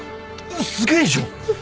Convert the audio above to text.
おっすげえじゃん。